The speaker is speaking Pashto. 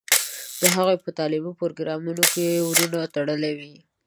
د هغوی په تعلیمي پروګرامونو کې ورونه تړلي وي.